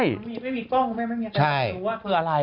ไม่มีกล้องไม่มีอะไร